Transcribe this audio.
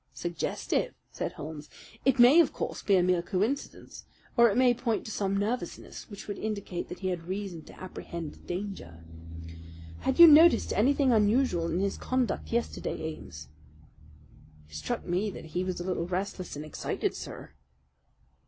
"Suggestive!" said Holmes. "It may, of course, be a mere coincidence, or it may point to some nervousness which would indicate that he had reason to apprehend danger. Had you noticed anything unusual in his conduct, yesterday, Ames?" "It struck me that he was a little restless and excited, sir."